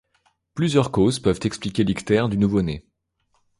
Plusieurs causes peuvent expliquer l'ictère du nouveau né.